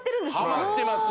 ハマってます